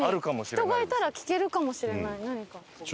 人がいたら聞けるかもしれない何か。